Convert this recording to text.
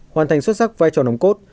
hoàn thành xuất sắc vai trò nồng cốt